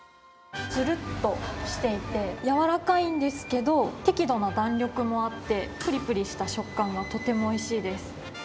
つるっとしていて、やわらかいんですけど、適度な弾力もあって、ぷりぷりした食感がとてもおいしいです。